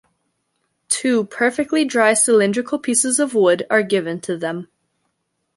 Two perfectly dry cylindrical pieces of wood are given to them.